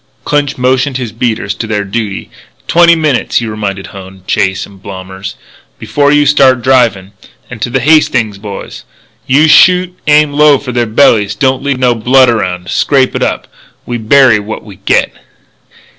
Clinch motioned his beaters to their duty. "Twenty minutes," he reminded Hone, Chase, and Blommers, "before you start drivin'." And, to the Hastings boys: "If you shoot, aim low for their bellies. Don't leave no blood around. Scrape it up. We bury what we get."